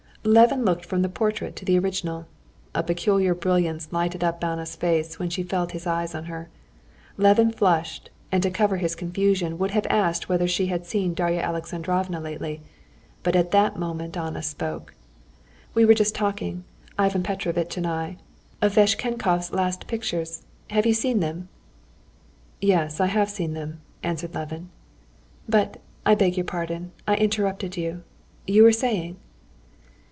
Levin looked from the portrait to the original. A peculiar brilliance lighted up Anna's face when she felt his eyes on her. Levin flushed, and to cover his confusion would have asked whether she had seen Darya Alexandrovna lately; but at that moment Anna spoke. "We were just talking, Ivan Petrovitch and I, of Vashtchenkov's last pictures. Have you seen them?" "Yes, I have seen them," answered Levin. "But, I beg your pardon, I interrupted you ... you were saying?..."